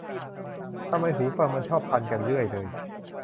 ทำไมหูฟังมันชอบพันกันเรื่อยเลย